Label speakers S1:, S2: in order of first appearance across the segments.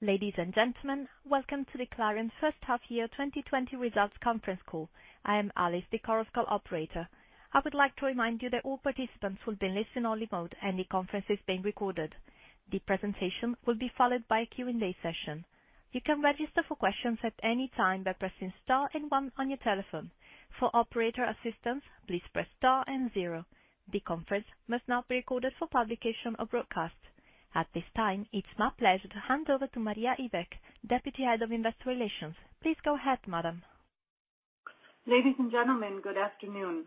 S1: Ladies and gentlemen, welcome to the Clariant first half year 2020 results conference call. I am Alice, the conference call operator. I would like to remind you that all participants will be in listen-only mode, and the conference is being recorded. The presentation will be followed by a Q&A session. You can register for questions at any time by pressing star and one on your telephone. For operator assistance, please press star and zero. The conference must not be recorded for publication or broadcast. At this time, it's my pleasure to hand over to Maria Ivek, Deputy Head of Investor Relations. Please go ahead, madam.
S2: Ladies and gentlemen, good afternoon.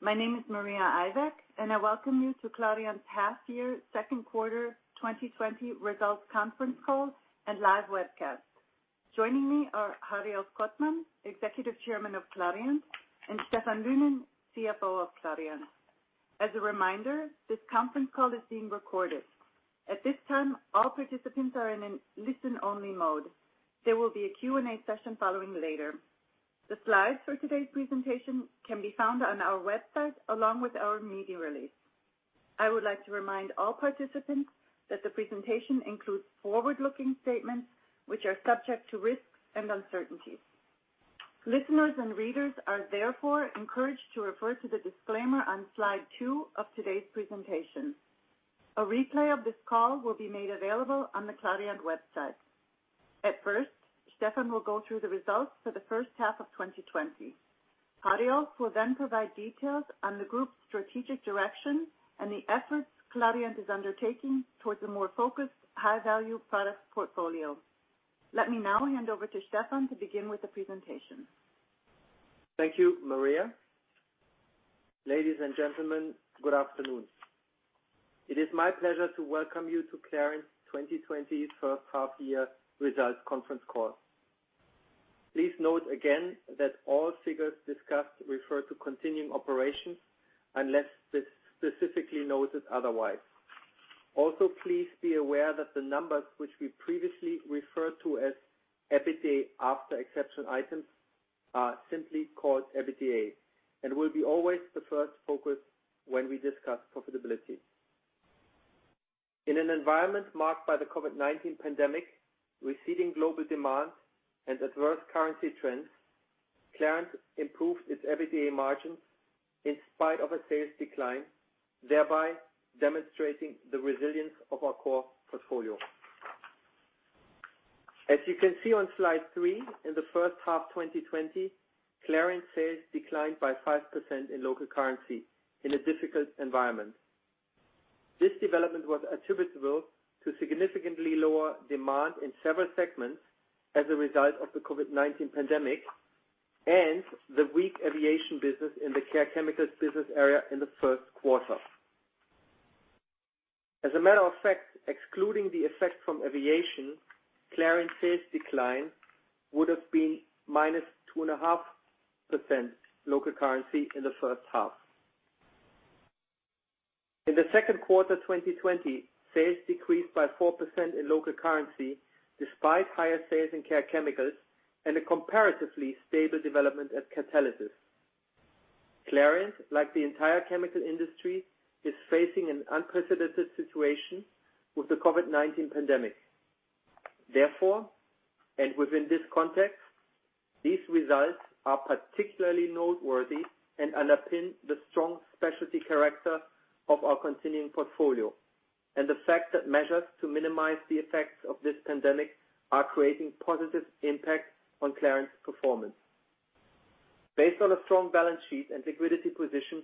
S2: My name is Maria Ivek, and I welcome you to Clariant's half year second quarter 2020 results conference call and live webcast. Joining me are Hariolf Kottmann, Executive Chairman of Clariant, and Stephan Lynen, CFO of Clariant. As a reminder, this conference call is being recorded. At this time, all participants are in listen-only mode. There will be a Q&A session following later. The slides for today's presentation can be found on our website along with our media release. I would like to remind all participants that the presentation includes forward-looking statements, which are subject to risks and uncertainties. Listeners and readers are therefore encouraged to refer to the disclaimer on slide two of today's presentation. A replay of this call will be made available on the Clariant website. At first, Stephan will go through the results for the first half of 2020. Hariolf will then provide details on the group's strategic direction and the efforts Clariant is undertaking towards a more focused, high-value product portfolio. Let me now hand over to Stephan to begin with the presentation.
S3: Thank you, Maria. Ladies and gentlemen, good afternoon. It is my pleasure to welcome you to Clariant's 2020 first half year results conference call. Please note again that all figures discussed refer to continuing operations unless specifically noted otherwise. Also, please be aware that the numbers which we previously referred to as EBITDA after exception items are simply called EBITDA and will be always the first focus when we discuss profitability. In an environment marked by the COVID-19 pandemic, receding global demand, and adverse currency trends, Clariant improved its EBITDA margins in spite of a sales decline, thereby demonstrating the resilience of our core portfolio. As you can see on slide three, in the first half 2020, Clariant sales declined by 5% in local currency in a difficult environment. This development was attributable to significantly lower demand in several segments as a result of the COVID-19 pandemic and the weak aviation business in the Care Chemicals business area in the first quarter. As a matter of fact, excluding the effect from aviation, Clariant sales decline would have been -2.5% local currency in the first half. In the second quarter 2020, sales decreased by 4% in local currency, despite higher sales in Care Chemicals and a comparatively stable development at Catalysis. Clariant, like the entire chemical industry, is facing an unprecedented situation with the COVID-19 pandemic. Therefore, and within this context, these results are particularly noteworthy and underpin the strong specialty character of our continuing portfolio and the fact that measures to minimize the effects of this pandemic are creating positive impacts on Clariant's performance. Based on a strong balance sheet and liquidity position,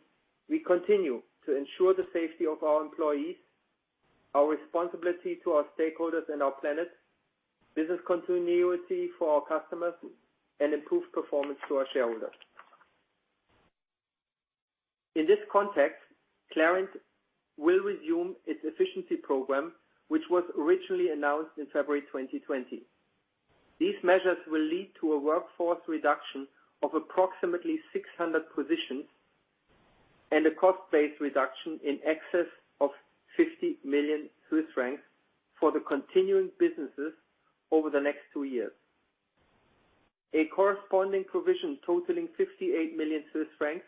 S3: we continue to ensure the safety of our employees, our responsibility to our stakeholders and our planet, business continuity for our customers, and improved performance to our shareholders. In this context, Clariant will resume its efficiency program, which was originally announced in February 2020. These measures will lead to a workforce reduction of approximately 600 positions and a cost-based reduction in excess of 50 million Swiss francs for the continuing businesses over the next two years. A corresponding provision totaling 58 million Swiss francs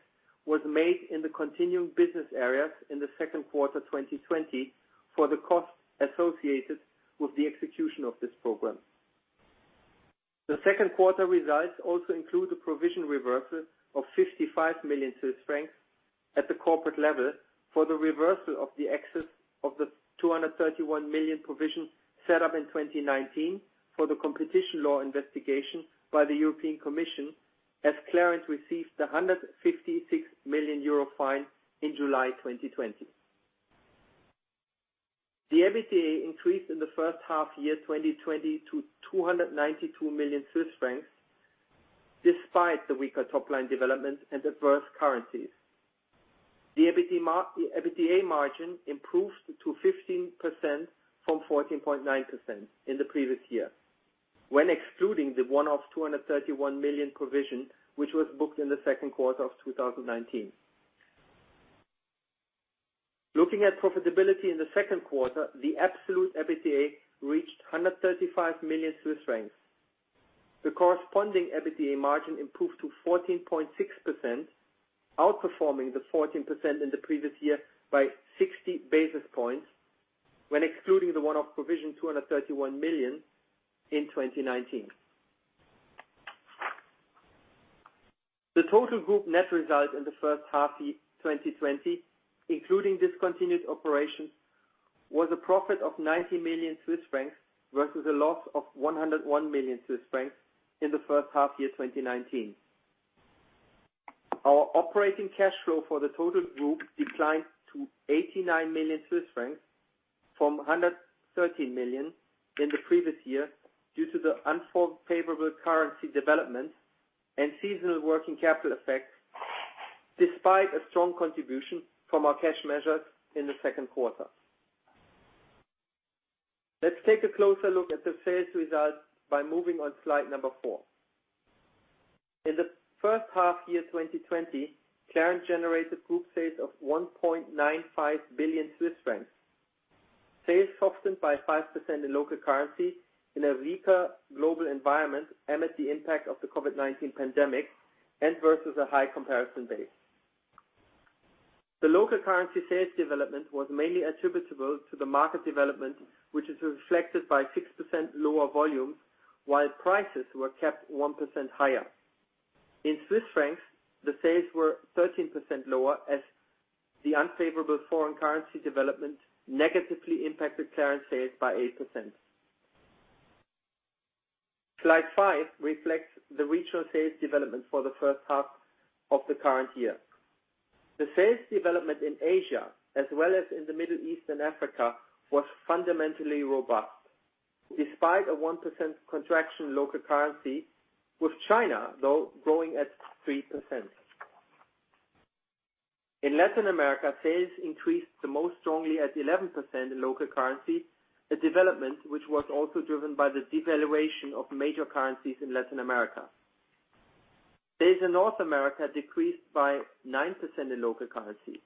S3: was made in the continuing business areas in the second quarter 2020 for the costs associated with the execution of this program. The second quarter results also include a provision reversal of 55 million Swiss francs at the corporate level for the reversal of the excess of the 231 million provision set up in 2019 for the competition law investigation by the European Commission, as Clariant received the 156 million euro fine in July 2020. The EBITDA increased in the first half year 2020 to 292 million Swiss francs, despite the weaker top-line development and adverse currencies. The EBITDA margin improved to 15% from 14.9% in the previous year, when excluding the one-off 231 million provision, which was booked in the second quarter of 2019. Looking at profitability in the second quarter, the absolute EBITDA reached 135 million Swiss francs. The corresponding EBITDA margin improved to 14.6%, outperforming the 14% in the previous year by 60 basis points when excluding the one-off provision, 231 million in 2019. The total group net result in the first half year 2020, including discontinued operations, was a profit of 90 million Swiss francs versus a loss of 101 million Swiss francs in the first half year 2019. Our operating cash flow for the total group declined to 89 million Swiss francs from 113 million in the previous year due to the unfavorable currency development and seasonal working capital effects, despite a strong contribution from our cash measures in the second quarter. Let's take a closer look at the sales results by moving on slide number four. In the first half year 2020, Clariant generated group sales of 1.95 billion Swiss francs. Sales softened by 5% in local currency in a weaker global environment amid the impact of the COVID-19 pandemic and versus a high comparison base. The local currency sales development was mainly attributable to the market development, which is reflected by 6% lower volumes, while prices were kept 1% higher. In CHF, the sales were 13% lower as the unfavorable foreign currency development negatively impacted Clariant sales by 8%. Slide five reflects the regional sales development for the first half of the current year. The sales development in Asia as well as in the Middle East and Africa, was fundamentally robust. Despite a 1% contraction in local currency, with China, though, growing at 3%. In Latin America, sales increased the most strongly at 11% in local currency, a development which was also driven by the devaluation of major currencies in Latin America. Sales in North America decreased by 9% in local currency.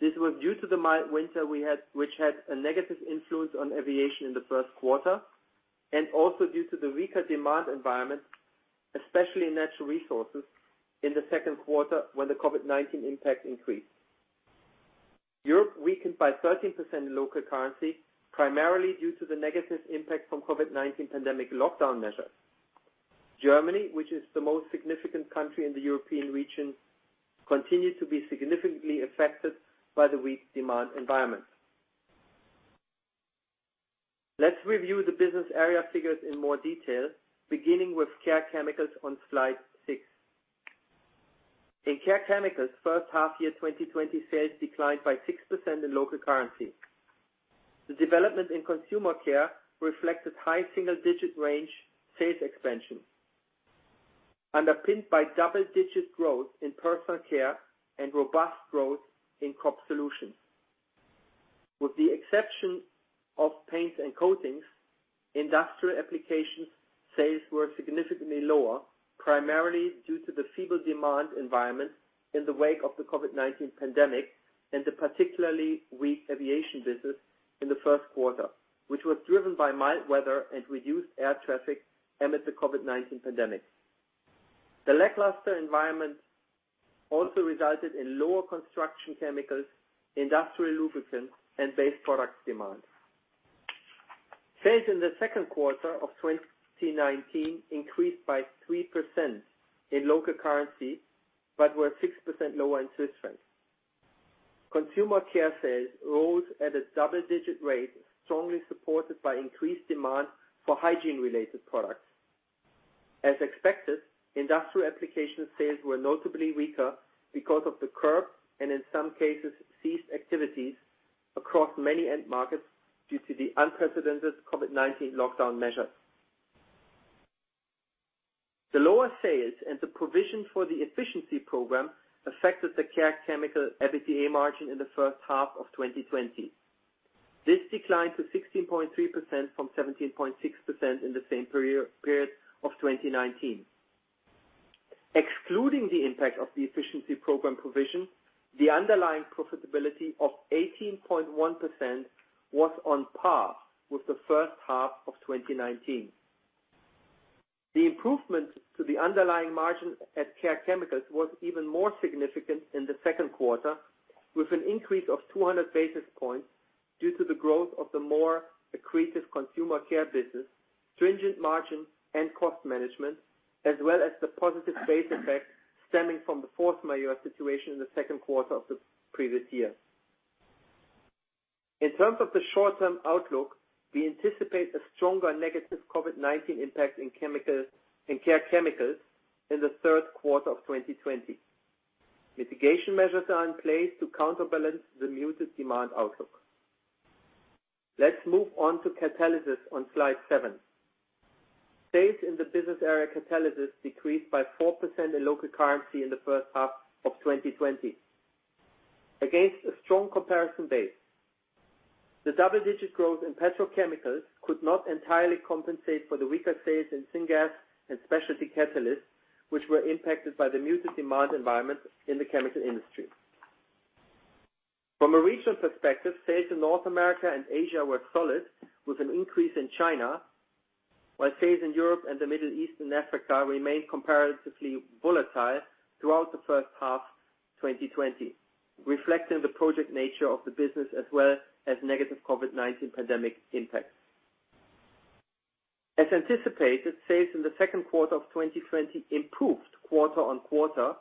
S3: This was due to the mild winter we had, which had a negative influence on aviation in the first quarter, and also due to the weaker demand environment, especially in Natural Resources, in the second quarter when the COVID-19 impact increased. Europe weakened by 13% in local currency, primarily due to the negative impact from COVID-19 pandemic lockdown measures. Germany, which is the most significant country in the European region, continued to be significantly affected by the weak demand environment. Let's review the business area figures in more detail, beginning with Care Chemicals on slide six. In Care Chemicals, first half year 2020 sales declined by 6% in local currency. The development in Consumer Care reflected high single-digit range sales expansion, underpinned by double-digit growth in Personal Care and robust growth in Crop Solutions. With the exception of paints and coatings, industrial applications sales were significantly lower, primarily due to the feeble demand environment in the wake of the COVID-19 pandemic and the particularly weak aviation business in the first quarter, which was driven by mild weather and reduced air traffic amid the COVID-19 pandemic. The lackluster environment also resulted in lower construction chemicals, industrial lubricants, and base products demand. Sales in the second quarter of 2019 increased by 3% in local currency, but were 6% lower in CHF. Consumer Care sales rose at a double-digit rate, strongly supported by increased demand for hygiene-related products. As expected, industrial application sales were notably weaker because of the curbed, and in some cases, ceased activities across many end markets due to the unprecedented COVID-19 lockdown measures. The lower sales and the provision for the efficiency program affected the Care Chemicals EBITDA margin in the first half of 2020. This declined to 16.3% from 17.6% in the same period of 2019. Excluding the impact of the efficiency program provision, the underlying profitability of 18.1% was on par with the first half of 2019. The improvement to the underlying margin at Care Chemicals was even more significant in the second quarter, with an increase of 200 basis points due to the growth of the more accretive Consumer Care business, stringent margin and cost management, as well as the positive base effect stemming from the force majeure situation in the second quarter of the previous year. In terms of the short-term outlook, we anticipate a stronger negative COVID-19 impact in Care Chemicals in the third quarter of 2020. Mitigation measures are in place to counterbalance the muted demand outlook. Let's move on to Catalysis on slide seven. Sales in the business area Catalysis decreased by 4% in local currency in the first half of 2020. Against a strong comparison base, the double-digit growth in petrochemicals could not entirely compensate for the weaker sales in syngas and specialty catalysts, which were impacted by the muted demand environment in the chemical industry. From a regional perspective, sales in North America and Asia were solid, with an increase in China. While sales in Europe and the Middle East and Africa remained comparatively volatile throughout the first half 2020, reflecting the project nature of the business as well as negative COVID-19 pandemic impacts. As anticipated, sales in the second quarter of 2020 improved quarter-on-quarter,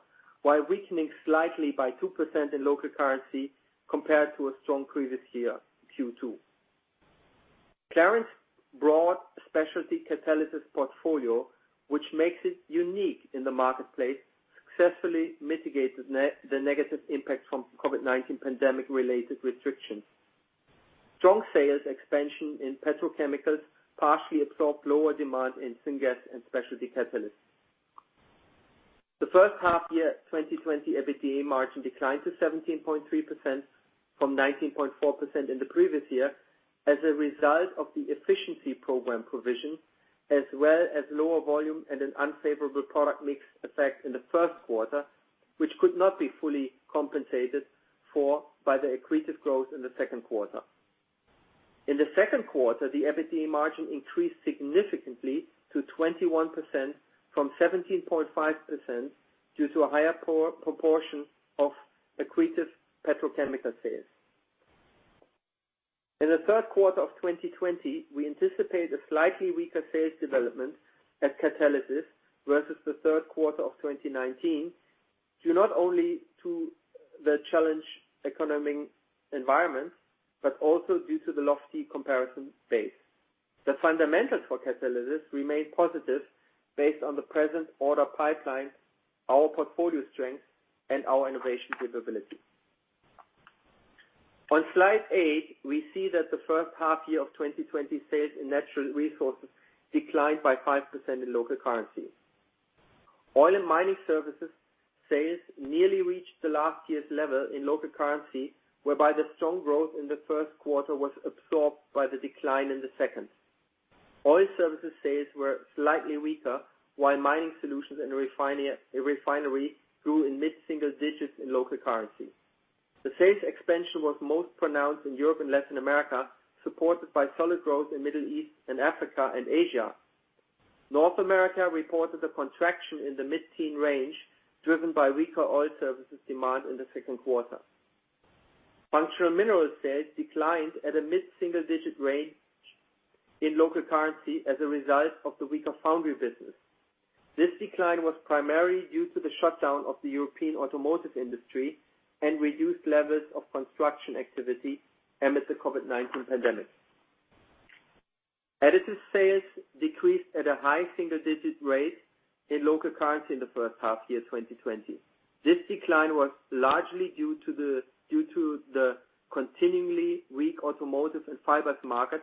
S3: while weakening slightly by 2% in local currency compared to a strong previous year Q2. Clariant's broad specialty catalysis portfolio, which makes it unique in the marketplace, successfully mitigated the negative impact from COVID-19 pandemic-related restrictions. Strong sales expansion in petrochemicals partially absorbed lower demand in syngas and specialty catalysts. The first half year 2020 EBITDA margin declined to 17.3% from 19.4% in the previous year as a result of the efficiency program provision, as well as lower volume and an unfavorable product mix effect in the first quarter, which could not be fully compensated for by the accretive growth in the second quarter. In the second quarter, the EBITDA margin increased significantly to 21% from 17.5% due to a higher proportion of accretive petrochemical sales. In the third quarter of 2020, we anticipate a slightly weaker sales development at Catalysis versus the third quarter of 2019, due not only to the challenged economic environment, but also due to the lofty comparison base. The fundamentals for Catalysis remain positive based on the present order pipeline, our portfolio strength, and our innovation capability. On slide eight, we see that the first half year of 2020 sales in Natural Resources declined by 5% in local currency. Oil and Mining Services sales nearly reached the last year's level in local currency, whereby the strong growth in the first quarter was absorbed by the decline in the second. Oil Services sales were slightly weaker, while Mining Solutions and refinery grew in mid-single digits in local currency. The sales expansion was most pronounced in Europe and Latin America, supported by solid growth in Middle East and Africa and Asia. North America reported a contraction in the mid-teen range, driven by weaker Oil Services demand in the second quarter. Functional Minerals sales declined at a mid-single-digit range in local currency as a result of the weaker foundry business. This decline was primarily due to the shutdown of the European automotive industry and reduced levels of construction activity amidst the COVID-19 pandemic. Additives sales decreased at a high single-digit rate in local currency in the first half year 2020. This decline was largely due to the continually weak automotive and fibers market,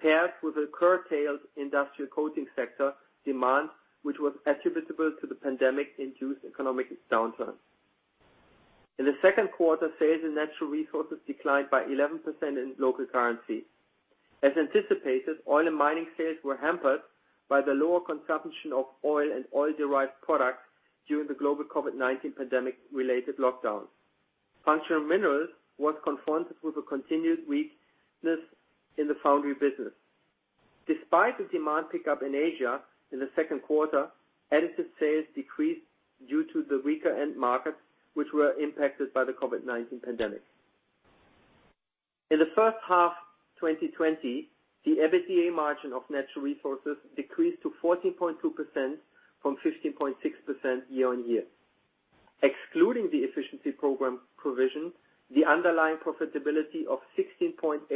S3: paired with a curtailed industrial coating sector demand, which was attributable to the pandemic-induced economic downturn. In the second quarter, sales in Natural Resources declined by 11% in local currency. As anticipated, oil and mining sales were hampered by the lower consumption of oil and oil-derived products during the global COVID-19 pandemic-related lockdowns. Functional minerals was confronted with a continued weakness in the foundry business. Despite the demand pickup in Asia in the second quarter, additives sales decreased due to the weaker end markets, which were impacted by the COVID-19 pandemic. In the first half 2020, the EBITDA margin of Natural Resources decreased to 14.2% from 15.6% year on year. Excluding the efficiency program provision, the underlying profitability of 16.8%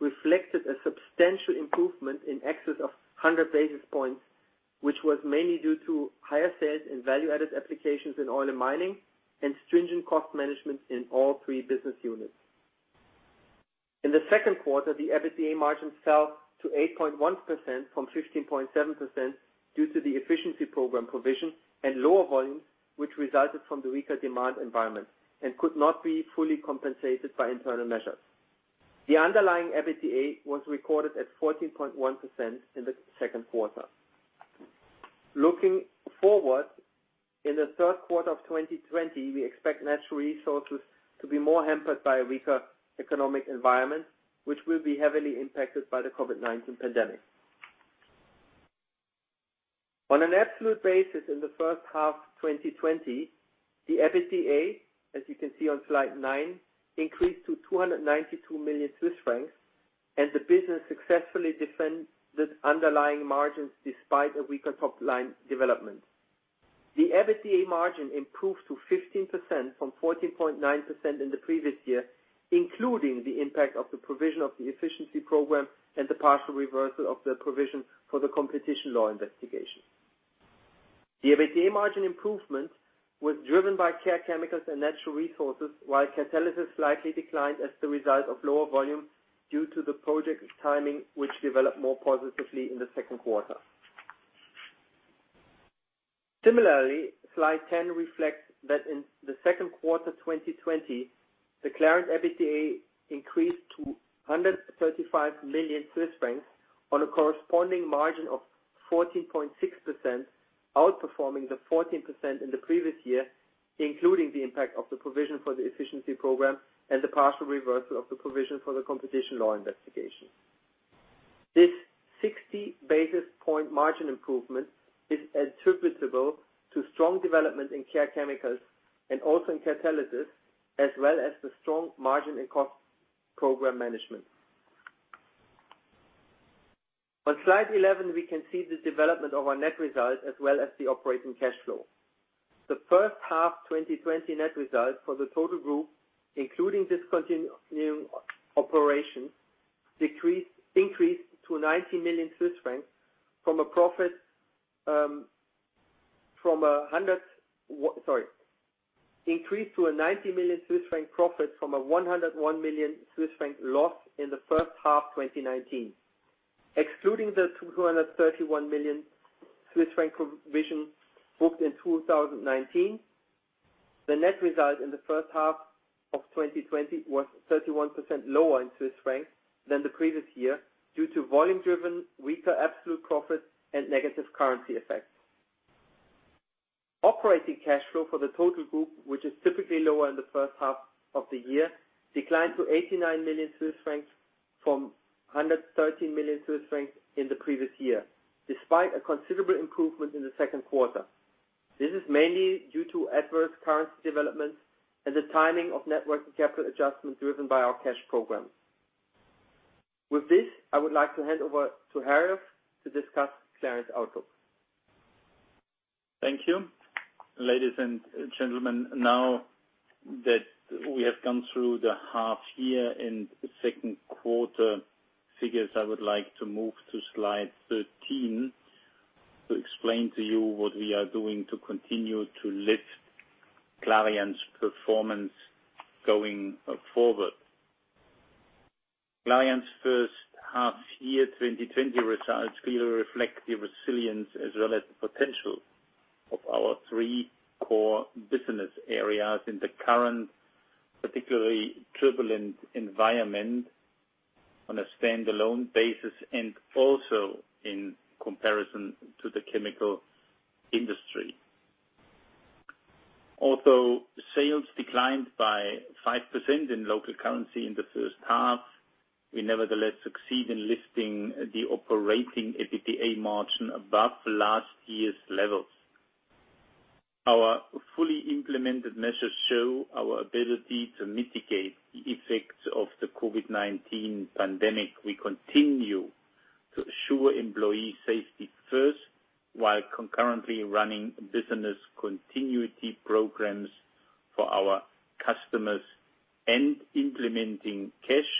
S3: reflected a substantial improvement in excess of 100 basis points, which was mainly due to higher sales and value-added applications in Oil and Mining and stringent cost management in all three business units. In the second quarter, the EBITDA margin fell to 8.1% from 15.7% due to the efficiency program provision and lower volumes, which resulted from the weaker demand environment and could not be fully compensated by internal measures. The underlying EBITDA was recorded at 14.1% in the second quarter. Looking forward, in the third quarter of 2020, we expect Natural Resources to be more hampered by a weaker economic environment, which will be heavily impacted by the COVID-19 pandemic. On an absolute basis in the first half 2020, the EBITDA, as you can see on slide nine, increased to 292 million Swiss francs, and the business successfully defended underlying margins despite a weaker top-line development. The EBITDA margin improved to 15% from 14.9% in the previous year, including the impact of the provision of the efficiency program and the partial reversal of the provision for the competition law investigation. The EBITDA margin improvement was driven by Care Chemicals and Natural Resources, while Catalysis slightly declined as the result of lower volume due to the project timing, which developed more positively in the second quarter. Similarly, slide 10 reflects that in the second quarter 2020, the Clariant EBITDA increased 135 million Swiss francs on a corresponding margin of 14.6%, outperforming the 14% in the previous year, including the impact of the provision for the efficiency program and the partial reversal of the provision for the competition law investigation. This 60 basis point margin improvement is attributable to strong development in Care Chemicals and also in Catalysis, as well as the strong margin and cost program management. On slide 11, we can see the development of our net results as well as the operating cash flow. The first half 2020 net results for the total group, including discontinued operations, increased to a 90 million Swiss franc profit from a 101 million Swiss franc loss in the first half 2019. Excluding the 231 million Swiss franc provision booked in 2019, the net result in the first half of 2020 was 31% lower in CHF than the previous year, due to volume-driven weaker absolute profits and negative currency effects. Operating cash flow for the total group, which is typically lower in the first half of the year, declined to 89 million Swiss francs from 113 million Swiss francs in the previous year, despite a considerable improvement in the second quarter. This is mainly due to adverse currency developments and the timing of net working capital adjustment driven by our cash program. With this, I would like to hand over to Hariolf to discuss Clariant outlook.
S4: Thank you. Ladies and gentlemen, now that we have gone through the half year and second quarter figures, I would like to move to slide 13 to explain to you what we are doing to continue to lift Clariant's performance going forward. Clariant's first half year 2020 results clearly reflect the resilience as well as the potential of our three core business areas in the current, particularly turbulent environment on a standalone basis, and also in comparison to the chemical industry. Although sales declined by 5% in local currency in the first half, we nevertheless succeed in lifting the operating EBITDA margin above last year's levels. Our fully implemented measures show our ability to mitigate the effects of the COVID-19 pandemic. We continue to assure employee safety first, while concurrently running business continuity programs for our customers and implementing cash,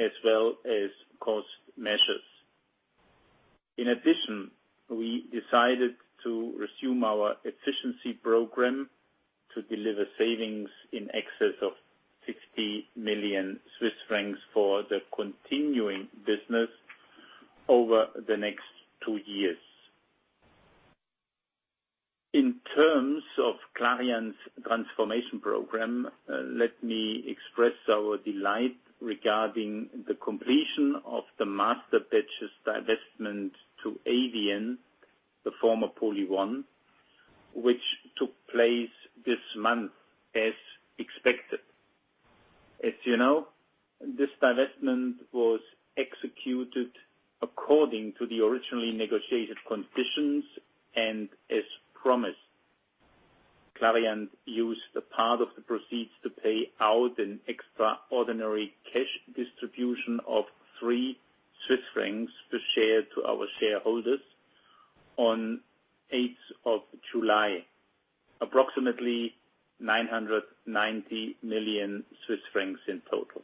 S4: as well as cost measures. In addition, we decided to resume our efficiency program to deliver savings in excess of 50 million Swiss francs for the continuing business over the next two years. In terms of Clariant's transformation program, let me express our delight regarding the completion of the Masterbatches divestment to Avient, the former PolyOne, which took place this month as expected. As you know, this divestment was executed according to the originally negotiated conditions and as promised. Clariant used a part of the proceeds to pay out an extraordinary cash distribution of 3 Swiss francs per share to our shareholders on 8th of July, approximately 990 million Swiss francs in total.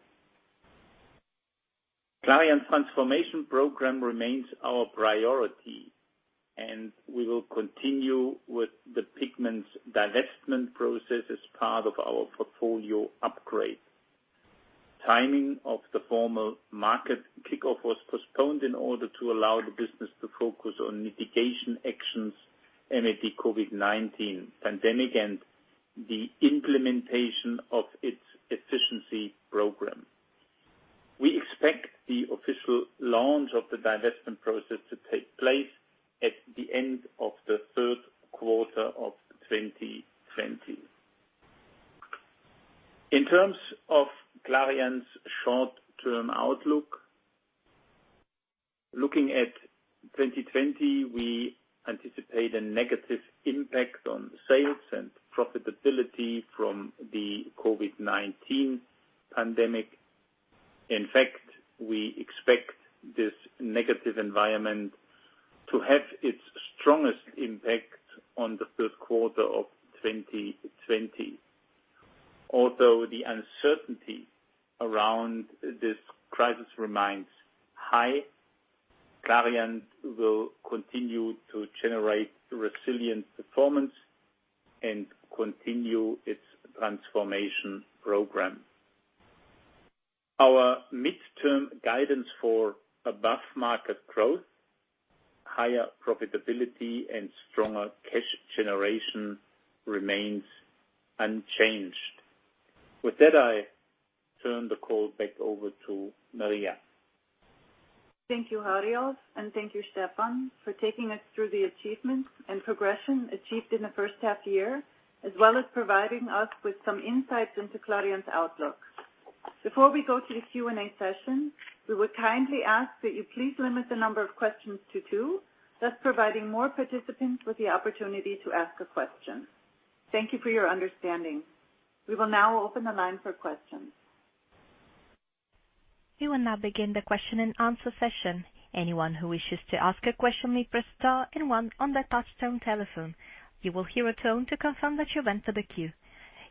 S4: Clariant transformation program remains our priority, and we will continue with the Pigments divestment process as part of our portfolio upgrade. Timing of the formal market kickoff was postponed in order to allow the business to focus on mitigation actions amid the COVID-19 pandemic and the implementation of its efficiency program. We expect the official launch of the divestment process to take place at the end of the third quarter of 2020. In terms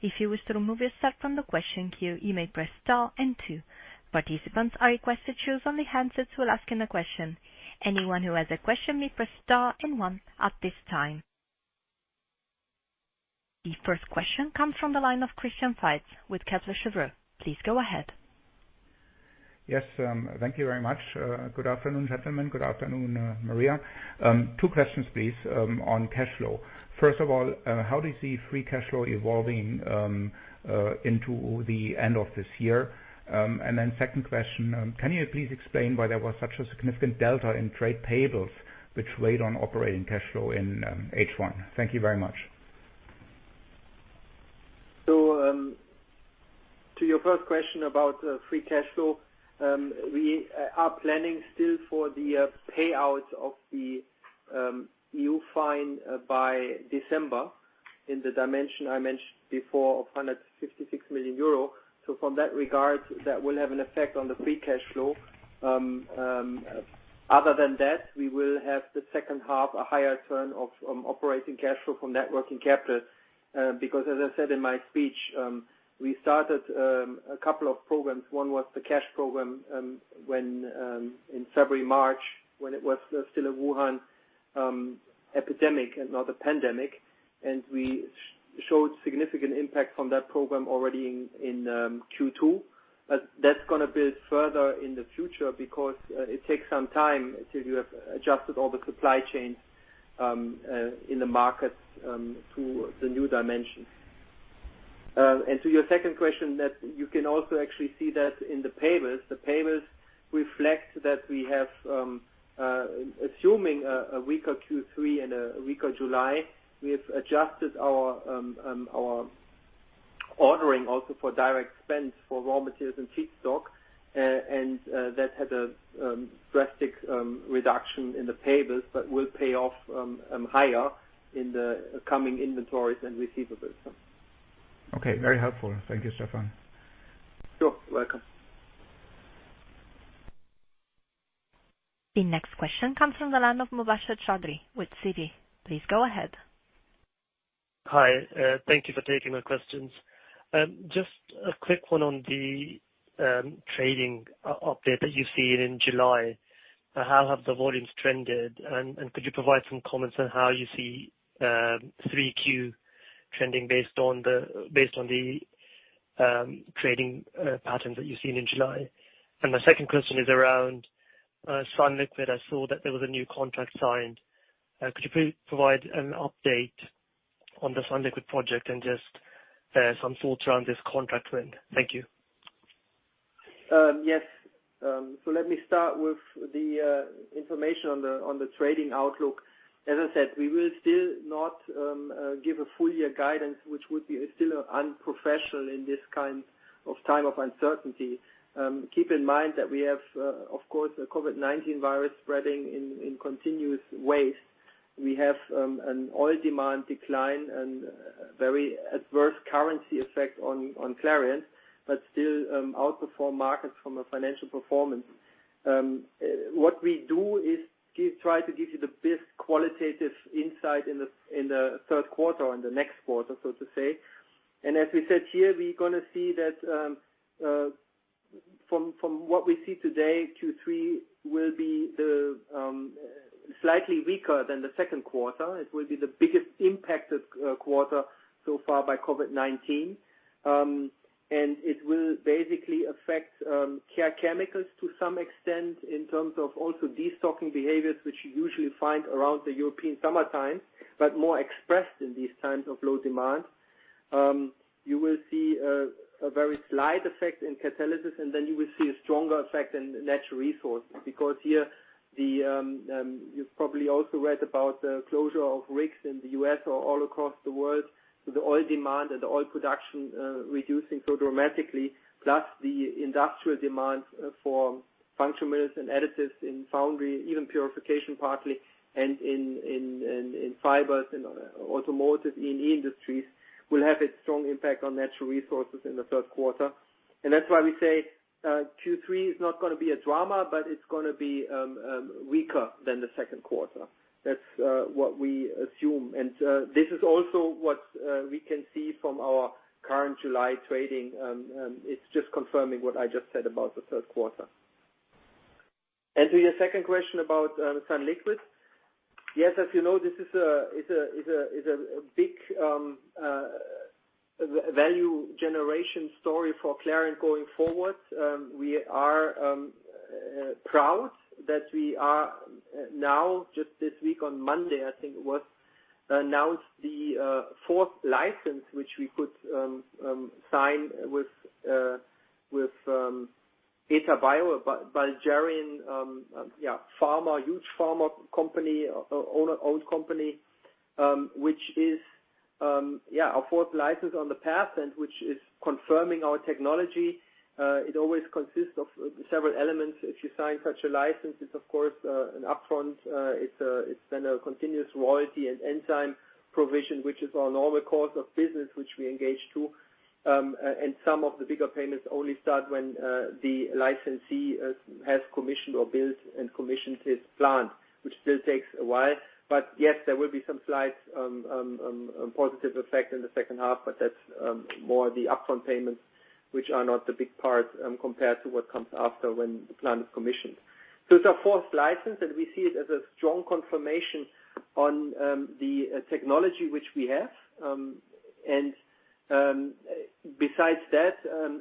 S1: If you wish to remove yourself from the question queue, you may press star and two. Participants are requested to use only handsets while asking a question. Anyone who has a question may press star and one at this time. The first question comes from the line of Christian Faitz with Kepler Cheuvreux. Please go ahead.
S5: Yes. Thank you very much. Good afternoon, gentlemen. Good afternoon, Maria. Two questions, please, on cash flow. First of all, how do you see free cash flow evolving into the end of this year? Second question, can you please explain why there was such a significant delta in trade payables, which weighed on operating cash flow in H1? Thank you very much.
S3: To your first question about free cash flow. We are planning still for the payout of the EU fine by December in the dimension I mentioned before of 156 million euro. From that regard, that will have an effect on the free cash flow. Other than that, we will have the second half a higher turn of operating cash flow from net working capital. As I said in my speech, we started a couple of programs. One was the cash program in February, March, when it was still a Wuhan epidemic and not a pandemic. We showed significant impact from that program already in Q2. That's going to build further in the future because it takes some time till you have adjusted all the supply chains in the markets to the new dimension. To your second question, you can also actually see that in the payables. The payables reflect that we have, assuming a weaker Q3 and a weaker July, we have adjusted our ordering also for direct spend for raw materials and feedstock. That had a drastic reduction in the payables, but will pay off higher in the coming inventories and receivables.
S5: Okay. Very helpful. Thank you, Stephan.
S3: You're welcome.
S1: The next question comes from the line of Mubasher Chaudhry with Citi. Please go ahead.
S6: Hi. Thank you for taking my questions. Just a quick one on the trading update that you've seen in July. How have the volumes trended? Could you provide some comments on how you see 3Q trending based on the trading patterns that you've seen in July? My second question is around sunliquid. I saw that there was a new contract signed. Could you please provide an update on the sunliquid project and just some thoughts around this contract win? Thank you.
S3: Yes. Let me start with the information on the trading outlook. As I said, we will still not give a full year guidance, which would be still unprofessional in this kind of time of uncertainty. Keep in mind that we have, of course, the COVID-19 virus spreading in continuous waves. We have an oil demand decline and very adverse currency effect on Clariant, but still outperform markets from a financial performance. What we do is try to give you the best qualitative insight in the third quarter or in the next quarter, so to say. As we said here, from what we see today, Q3 will be slightly weaker than the second quarter. It will be the biggest impacted quarter so far by COVID-19. It will basically affect Care Chemicals to some extent in terms of also de-stocking behaviors, which you usually find around the European summertime, but more expressed in these times of low demand. You will see a very slight effect in Catalysis, and then you will see a stronger effect in Natural Resources, because here, you've probably also read about the closure of rigs in the U.S. or all across the world. The oil demand and the oil production reducing so dramatically, plus the industrial demand for Functional Minerals and additives in foundry, even purification partly, and in fibers, in automotive, in industries, will have a strong impact on Natural Resources in the third quarter. That's why we say Q3 is not going to be a drama, but it's going to be weaker than the second quarter. That's what we assume. This is also what we can see from our current July trading. It's just confirming what I just said about the third quarter. To your second question about sunliquid. Yes, as you know, this is a big value generation story for Clariant going forward. We are proud that we are now, just this week on Monday, I think it was, announced the fourth license which we could sign with Eta Bio, a Bulgarian huge pharma company, owner-owned company. Which is our fourth license on the path, and which is confirming our technology. It always consists of several elements. If you sign such a license, it's of course, an upfront. It's then a continuous royalty and enzyme provision, which is on all the course of business, which we engage too. Some of the bigger payments only start when the licensee has commissioned or built and commissioned his plant, which still takes a while. Yes, there will be some slight positive effect in the second half, but that's more the upfront payments, which are not the big part, compared to what comes after when the plant is commissioned. It's our fourth license, and we see it as a strong confirmation on the technology which we have. Besides that,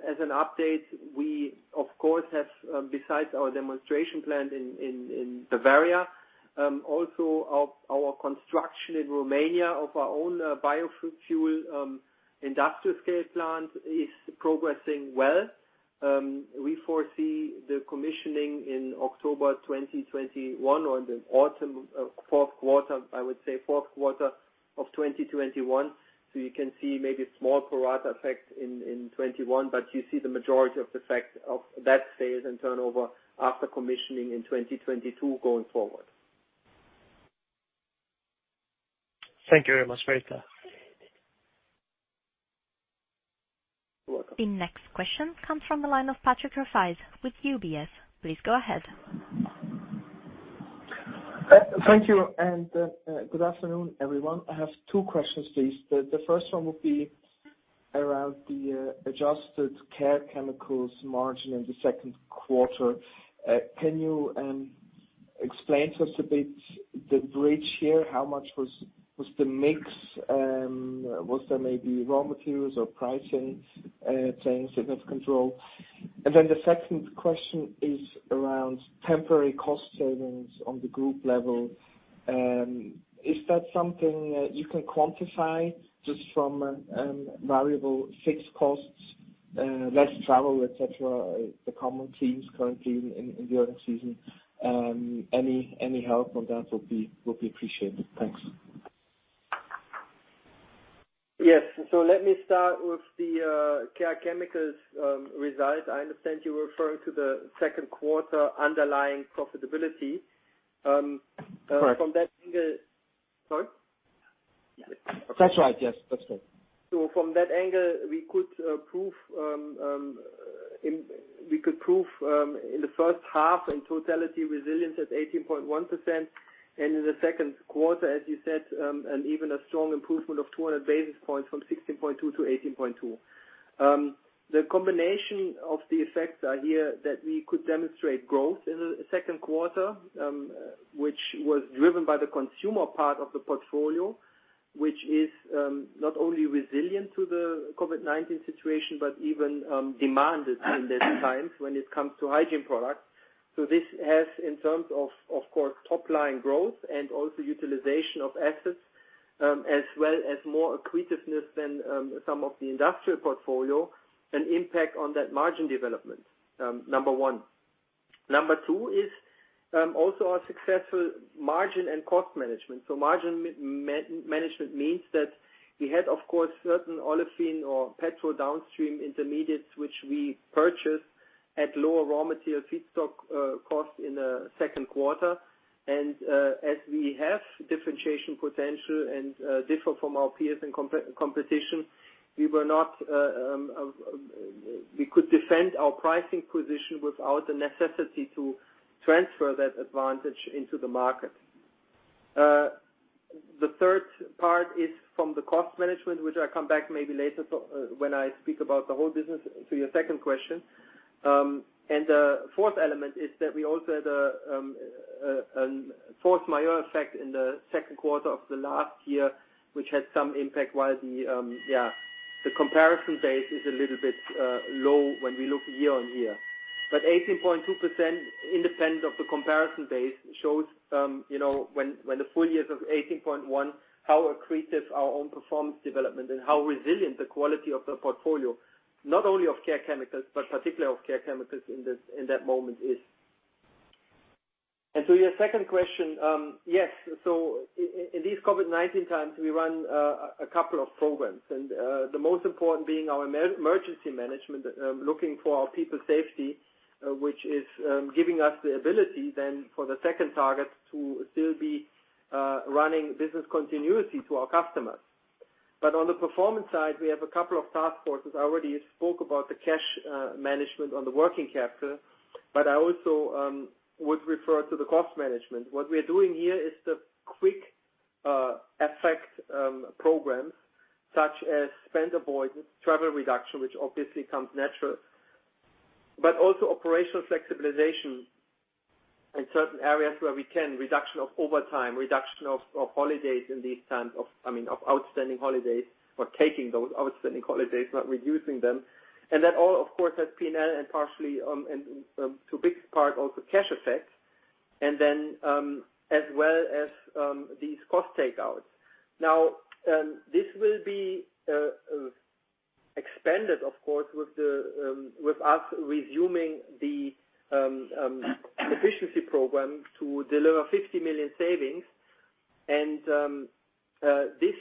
S3: as an update, we of course have, besides our demonstration plant in Bavaria, also our construction in Romania of our own biofuel industrial scale plant is progressing well. We foresee the commissioning in October 2021 or the autumn, fourth quarter, I would say fourth quarter of 2021. You can see maybe a small pro rata effect in 2021, but you see the majority of the effect of that sales and turnover after commissioning in 2022 going forward.
S6: Thank you very much, Volker.
S3: You're welcome.
S1: The next question comes from the line of Patrick Rafaisz with UBS. Please go ahead.
S7: Thank you. Good afternoon, everyone. I have two questions, please. The first one would be around the adjusted Care Chemicals margin in the second quarter. Can you explain to us a bit the bridge here? How much was the mix? Was there maybe raw materials or pricing playing significant role? The second question is around temporary cost savings on the group level. Is that something that you can quantify just from variable fixed costs, less travel, et cetera, the common themes currently in the earnings season? Any help on that would be appreciated. Thanks.
S3: Yes. Let me start with the Care Chemicals result. I understand you're referring to the second quarter underlying profitability.
S7: Correct.
S3: From that angle. Sorry?
S7: That's right. Yes. That's correct.
S3: From that angle, we could prove in the first half in totality resilience at 18.1%, and in the second quarter, as you said, and even a strong improvement of 200 basis points from 16.2 to 18.2. The combination of the effects are here that we could demonstrate growth in the second quarter, which was driven by the consumer part of the portfolio, which is not only resilient to the COVID-19 situation, but even demanded in these times when it comes to hygiene products. This has, in terms of course, top-line growth and also utilization of assets, as well as more accretiveness than some of the industrial portfolio, an impact on that margin development. Number one. Number two is also our successful margin and cost management. margin management means that we had, of course, certain olefin or petrol downstream intermediates, which we purchased at lower raw material feedstock cost in the second quarter. As we have differentiation potential and differ from our peers and competition, we could defend our pricing position without the necessity to transfer that advantage into the market. The third part is from the cost management, which I come back maybe later to when I speak about the whole business to your second question. The fourth element is that we also had a fourth minor effect in the second quarter of the last year, which had some impact while the comparison base is a little bit low when we look year on year. 18.2% independent of the comparison base shows when the full year of 18.1%, how accretive our own performance development and how resilient the quality of the portfolio, not only of Care Chemicals, but particularly of Care Chemicals in that moment is. To your second question, yes. In these COVID-19 times, we run a couple of programs and the most important being our emergency management, looking for our people safety, which is giving us the ability then for the second target to still be running business continuity to our customers. On the performance side, we have a couple of task forces. I already spoke about the cash management on the working capital, but I also would refer to the cost management. What we are doing here is the quick effect programs such as spend avoidance, travel reduction, which obviously comes natural. Also operational flexibilization in certain areas where we can, reduction of overtime, reduction of outstanding holidays, or taking those outstanding holidays, not reducing them. That all, of course, has P&L and partially, and to biggest part also cash effects. As well as these cost take-outs. This will be expanded, of course, with us resuming the efficiency program to deliver 50 million savings. This,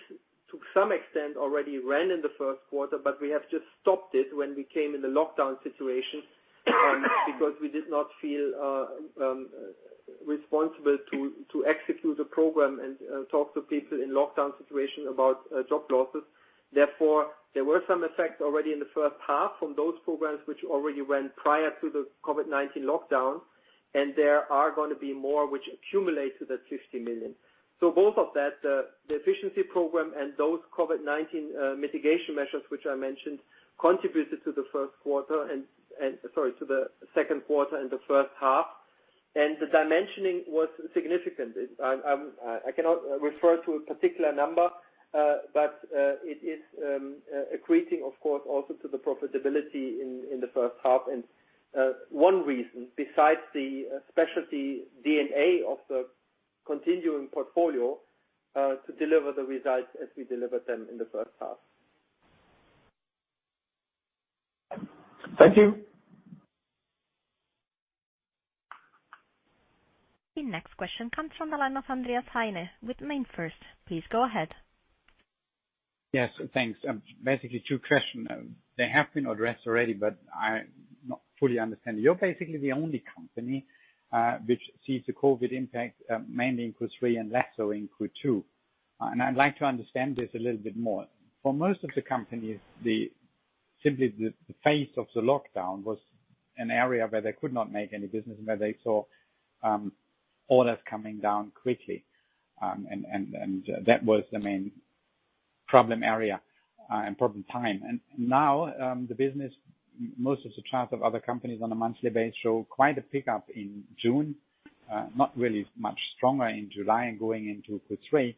S3: to some extent, already ran in the first quarter, but we have just stopped it when we came in the lockdown situation, because we did not feel responsible to execute a program and talk to people in lockdown situation about job losses. There were some effects already in the first half from those programs, which already ran prior to the COVID-19 lockdown, and there are going to be more which accumulate to that 50 million. Both of that, the efficiency program and those COVID-19 mitigation measures which I mentioned, contributed to the second quarter and the first half. The dimensioning was significant. I cannot refer to a particular number, but it is accreting, of course, also to the profitability in the first half and one reason besides the specialty DNA of the continuing portfolio, to deliver the results as we delivered them in the first half.
S7: Thank you.
S1: The next question comes from the line of Andreas Heine with MainFirst. Please go ahead.
S8: Yes, thanks. Basically two questions. They have been addressed already, but I not fully understand. You're basically the only company which sees the COVID impact mainly in Q3 and less so in Q2. I'd like to understand this a little bit more. For most of the companies, simply the phase of the lockdown was an area where they could not make any business and where they saw orders coming down quickly. That was the main problem area and problem time. Now, the business, most of the charts of other companies on a monthly basis show quite a pickup in June, not really much stronger in July and going into Q3.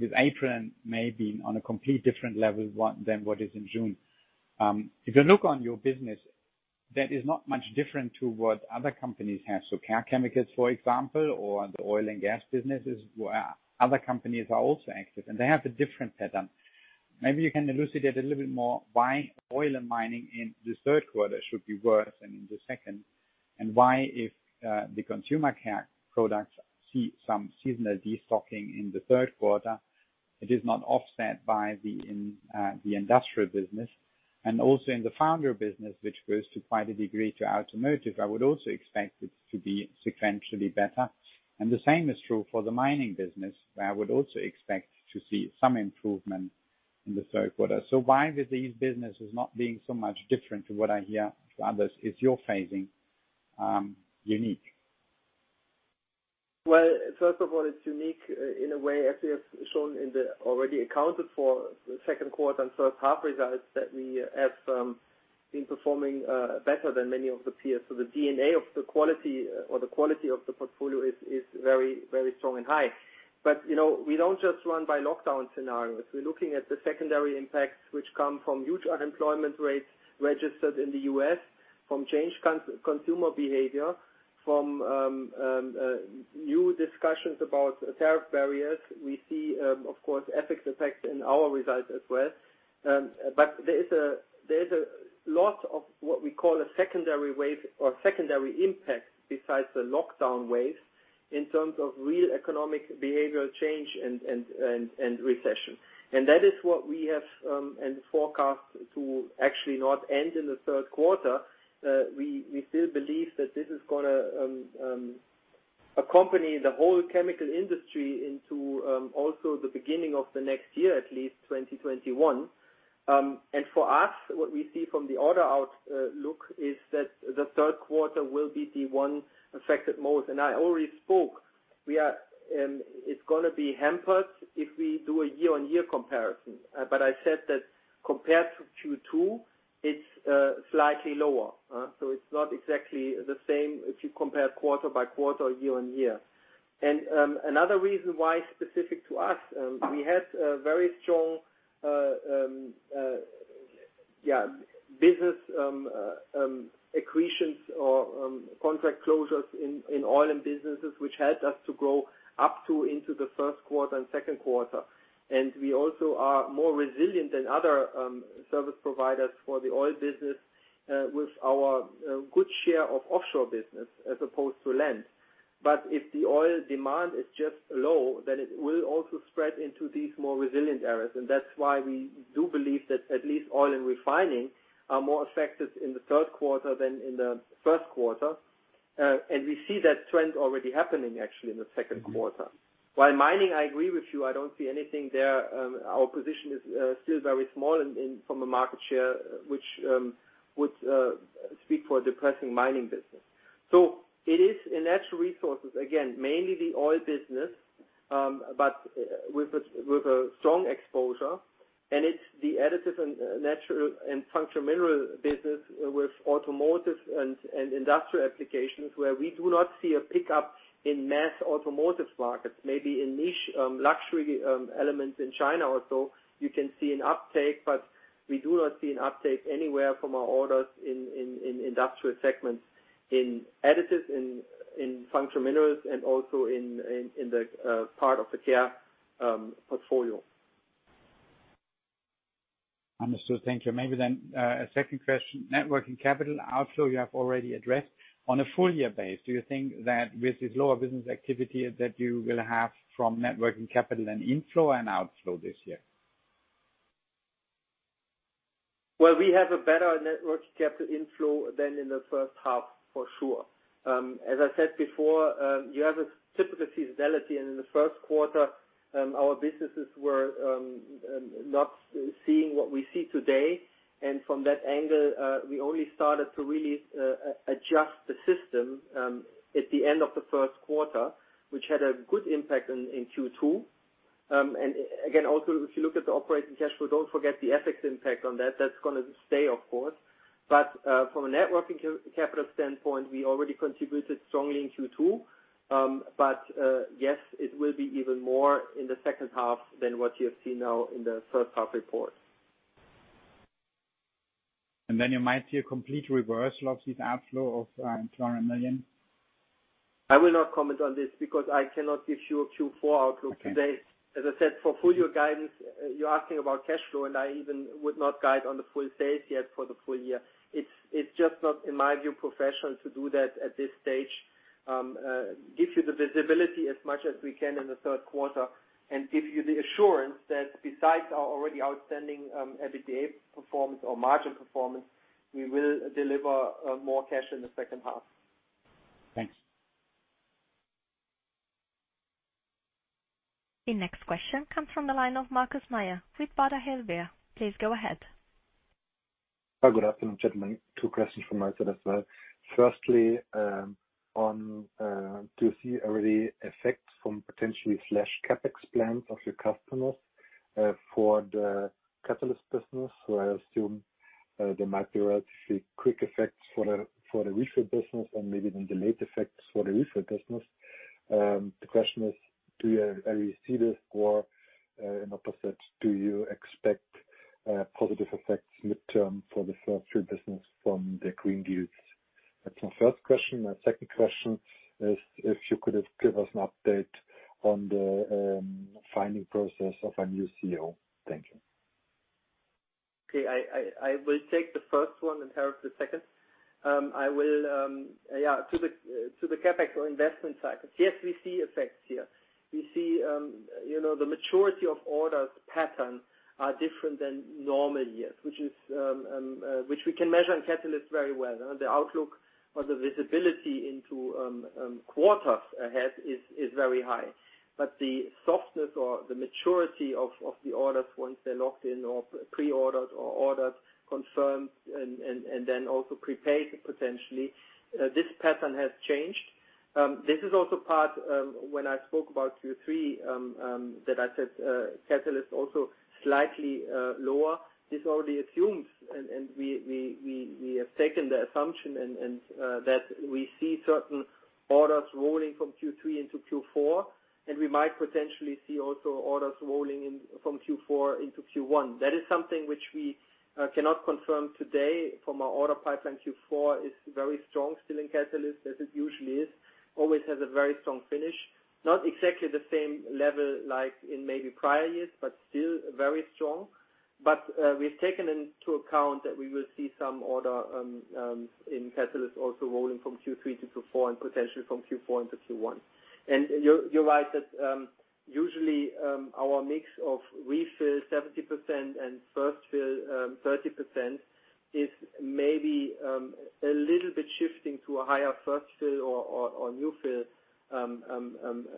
S8: With April maybe on a completely different level than what is in June. If you look on your business, that is not much different to what other companies have. Care Chemicals, for example, or the oil and gas businesses, where other companies are also active, and they have a different pattern. Maybe you can elucidate a little bit more why oil and mining in the third quarter should be worse than in the second, and why if the Consumer Care products see some seasonal destocking in the third quarter, it is not offset by the industrial business and also in the foundry business, which goes to quite a degree to automotive. I would also expect it to be sequentially better. The same is true for the mining business, where I would also expect to see some improvement in the third quarter. Why with these businesses not being so much different to what I hear to others, is your phasing unique?
S3: Well, first of all, it's unique in a way, as we have shown in the already accounted for the second quarter and first half results that we have been performing better than many of the peers. the DNA of the quality or the quality of the portfolio is very strong and high. we don't just run by lockdown scenarios. We're looking at the secondary impacts which come from huge unemployment rates registered in the U.S., from changed consumer behavior, from new discussions about tariff barriers. We see, of course, FX effects in our results as well. there is a lot of what we call a secondary wave or secondary impact besides the lockdown wave in terms of real economic behavioral change and recession. that is what we have and forecast to actually not end in the third quarter. We still believe that this is going to accompany the whole chemical industry into also the beginning of the next year, at least 2021. For us, what we see from the order outlook is that the third quarter will be the one affected most. I already spoke, it's going to be hampered if we do a year-on-year comparison. I said that compared to Q2, it's slightly lower. It's not exactly the same if you compare quarter by quarter or year on year. Another reason why it's specific to us, we had a very strong business accretions or contract closures in oil and businesses, which helped us to grow up to into the first quarter and second quarter. We also are more resilient than other service providers for the oil business with our good share of offshore business as opposed to land. If the oil demand is just low, then it will also spread into these more resilient areas. That's why we do believe that at least oil and refining are more affected in the third quarter than in the first quarter. We see that trend already happening actually in the second quarter. While mining, I agree with you, I don't see anything there. Our position is still very small and from a market share, which would speak for a depressing mining business. It is in natural resources, again, mainly the oil business with a strong exposure, and it's the additives and natural and functional mineral business with automotive and industrial applications where we do not see a pickup in mass automotive markets. Maybe in niche luxury elements in China or so, you can see an uptake, but we do not see an uptake anywhere from our orders in industrial segments, in additives, in functional minerals, and also in the part of the care portfolio.
S8: Understood. Thank you. Maybe a second question, net working capital outflow you have already addressed. On a full-year basis, do you think that with this lower business activity that you will have from net working capital an inflow and outflow this year?
S3: Well, we have a better net working capital inflow than in the first half, for sure. As I said before, you have a typical seasonality and in the first quarter, our businesses were not seeing what we see today. From that angle, we only started to really adjust the system at the end of the first quarter, which had a good impact in Q2. Again, also, if you look at the operating cash flow, don't forget the FX impact on that. That's going to stay, of course. From a net working capital standpoint, we already contributed strongly in Q2. Yes, it will be even more in the second half than what you have seen now in the first half report.
S8: You might see a complete reversal of this outflow of 400 million?
S3: I will not comment on this because I cannot give you a Q4 outlook today.
S8: Okay.
S3: As I said, for full-year guidance, you're asking about cash flow, and I even would not guide on the full sales yet for the full year. It's just not, in my view, professional to do that at this stage. Give you the visibility as much as we can in the third quarter and give you the assurance that besides our already outstanding EBITDA performance or margin performance, we will deliver more cash in the second half.
S8: Thanks.
S1: The next question comes from the line of Markus Mayer with Baader Helvea. Please go ahead.
S9: Good afternoon, gentlemen. Two questions from my side as well. Firstly, do you see already effects from potentially slashed CapEx plans of your customers for the catalyst business, where I assume there might be relatively quick effects for the refill business and maybe then delayed effects for the refill business? The question is, do you already see this, or in opposite, do you expect positive effects midterm for the first fill business from the green deals? That's my first question. My second question is if you could give us an update on the finding process of a new CEO. Thank you.
S3: Okay. I will take the first one and Hariolf the second. To the CapEx or investment cycle. Yes, we see effects here. We see the maturity of orders pattern are different than normal years, which we can measure in catalyst very well. The outlook or the visibility into quarters ahead is very high. the softness or the maturity of the orders once they're locked in or pre-ordered or ordered, confirmed, and then also prepaid, potentially, this pattern has changed. This is also part when I spoke about Q3, that I said catalyst also slightly lower. This already assumes, and we have taken the assumption and that we see certain orders rolling from Q3 into Q4, and we might potentially see also orders rolling in from Q4 into Q1. That is something which we cannot confirm today from our order pipeline. Q4 is very strong still in catalyst as it usually is, always has a very strong finish. Not exactly the same level like in maybe prior years, but still very strong. We've taken into account that we will see some order in catalyst also rolling from Q3 to Q4 and potentially from Q4 into Q1. You're right that usually our mix of refill 70% and first fill 30% is maybe a little bit shifting to a higher first fill or new fill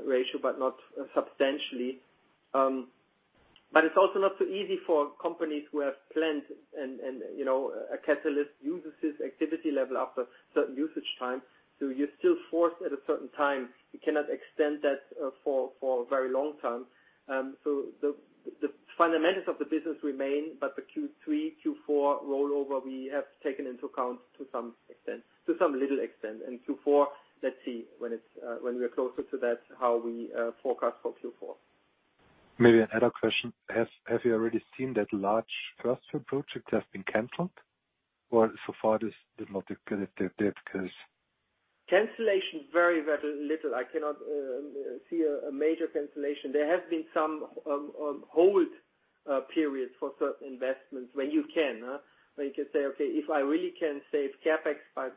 S3: ratio, but not substantially. It's also not so easy for companies who have planned and a catalyst uses its activity level after certain usage time. You're still forced at a certain time. You cannot extend that for a very long time. The fundamentals of the business remain, but the Q3, Q4 rollover, we have taken into account to some little extent. Q4, let's see when we are closer to that, how we forecast for Q4.
S9: Maybe another question. Have you already seen that large first fill projects have been canceled? so far this did not occur that because-
S3: Cancellation very, very little. I cannot see a major cancellation. There has been some hold periods for certain investments. When you can say, "Okay, if I really can save CapEx by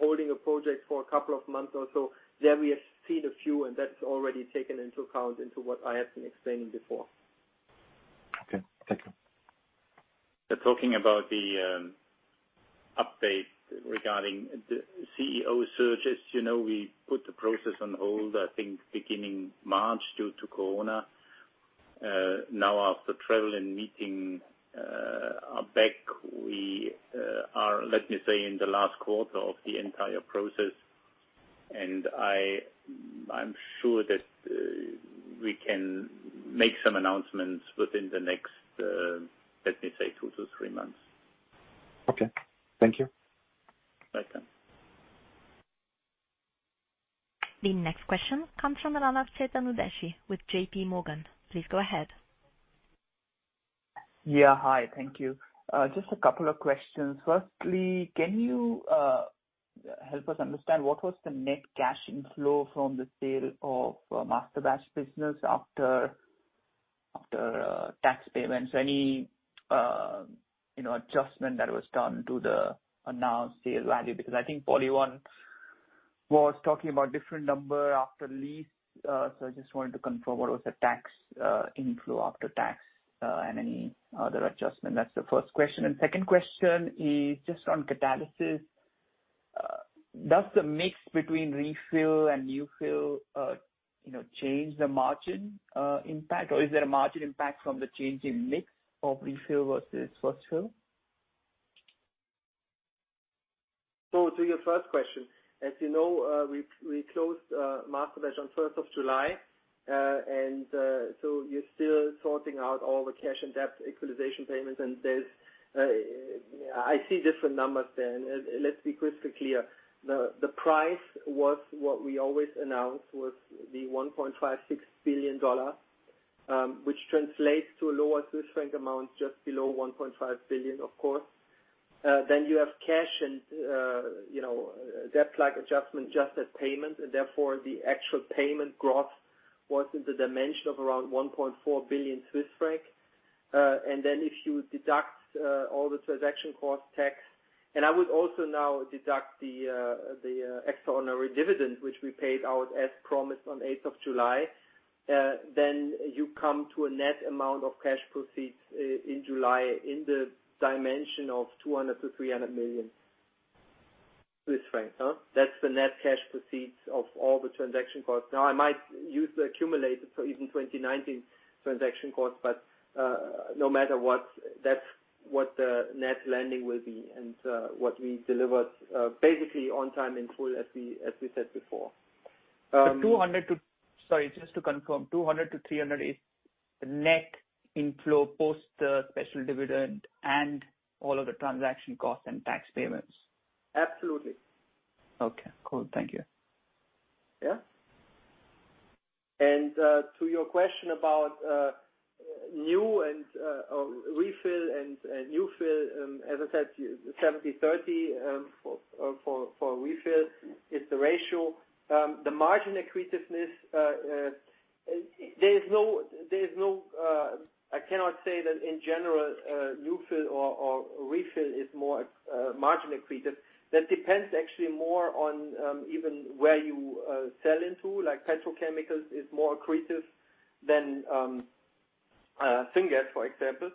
S3: holding a project for a couple of months or so," there we have seen a few, and that's already taken into account into what I have been explaining before.
S9: Okay. Thank you.
S4: Talking about the update regarding the CEO searches. We put the process on hold, I think beginning March due to Corona. Now after travel and meeting are back, we are, let me say, in the last quarter of the entire process, and I'm sure that we can make some announcements within the next, let me say two to three months.
S9: Okay. Thank you.
S4: Welcome.
S1: The next question comes from Chetan Udeshi with JPMorgan. Please go ahead.
S10: Yeah. Hi, thank you. Just a couple of questions. Firstly, can you help us understand what was the net cash inflow from the sale of Masterbatch business after tax payments? Any adjustment that was done to the announced sales value? Because I think PolyOne was talking about different number after lease. I just wanted to confirm what was the tax inflow after tax, and any other adjustment. That's the first question. second question is just on Catalysis. Does the mix between refill and new fill change the margin impact? Or is there a margin impact from the change in mix of refill versus first fill?
S3: To your first question, as you know, we closed Masterbatch on 1st of July. We are still sorting out all the cash and debt equalization payments, and I see different numbers then. Let's be crystal clear. The price was what we always announced, was the $1.56 billion, which translates to a lower Swiss franc amount just below 1.5 billion, of course. you have cash and debt-like adjustment just as payment. Therefore, the actual payment gross was in the dimension of around 1.4 billion Swiss franc. If you deduct all the transaction costs, tax, and I would also now deduct the extraordinary dividend, which we paid out as promised on 8th of July, then you come to a net amount of cash proceeds in July in the dimension of 200 million-300 million Swiss francs. That's the net cash proceeds of all the transaction costs. Now I might use the accumulated for even 2019 transaction cost, but, no matter what, that's what the net landing will be and what we delivered basically on time in full as we said before.
S10: Sorry, just to confirm, 200-300 is the net inflow post the special dividend and all of the transaction costs and tax payments?
S3: Absolutely.
S10: Okay, cool. Thank you.
S3: Yeah. To your question about refill and new fill, as I said, 70/30 for refill is the ratio. The margin accretiveness, I cannot say that in general new fill or refill is more margin accretive. That depends actually more on even where you sell into, like petrochemicals is more accretive than syngas, for example.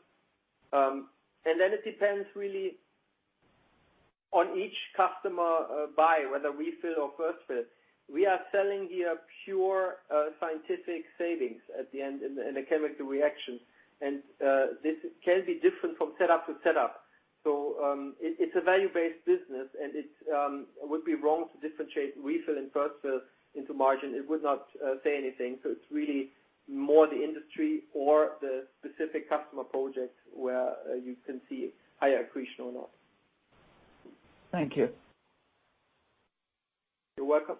S3: Then it depends really on each customer buy, whether refill or first fill. We are selling here pure scientific savings at the end in the chemical reaction. This can be different from set up to set up. It's a value-based business and it would be wrong to differentiate refill and first fill into margin. It would not say anything. It's really more the industry or the specific customer projects where you can see higher accretion or not.
S10: Thank you.
S3: You're welcome.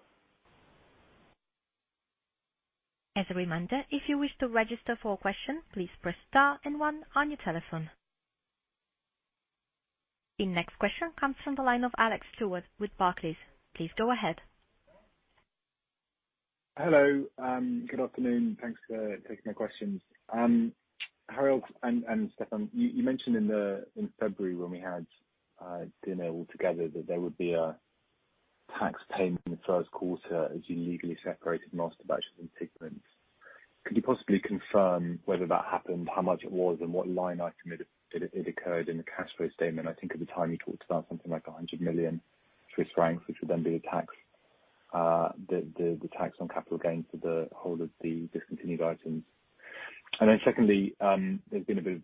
S1: As a reminder, if you wish to register for a question, please press star and one on your telephone. The next question comes from the line of Alex Stewart with Barclays. Please go ahead.
S11: Hello. Good afternoon. Thanks for taking my questions. Hariolf and Stephan, you mentioned in February when we had dinner all together that there would be a tax payment in the first quarter as you legally separated Masterbatches and Pigments. Could you possibly confirm whether that happened, how much it was, and what line item it occurred in the cash flow statement? I think at the time you talked about something like 100 million Swiss francs, which would then be the tax on capital gains for the whole of the discontinued items. Secondly, there's been a bit